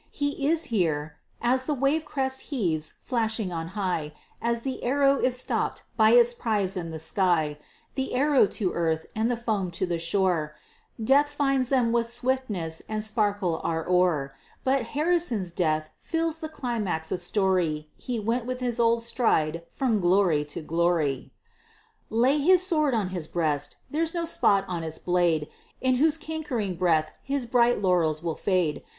He is here as the wave crest heaves flashing on high As the arrow is stopp'd by its prize in the sky The arrow to earth, and the foam to the shore Death finds them when swiftness and sparkle are o'er But Harrison's death fills the climax of story He went with his old stride from glory to glory! Lay his sword on his breast! There's no spot on its blade In whose cankering breath his bright laurels will fade!